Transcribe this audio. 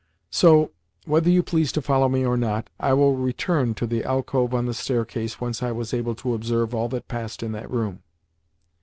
So, whether you please to follow me or not, I will return to the alcove on the staircase whence I was able to observe all that passed in that room.